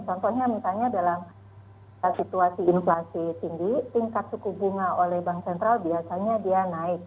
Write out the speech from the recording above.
contohnya misalnya dalam situasi inflasi tinggi tingkat suku bunga oleh bank sentral biasanya dia naik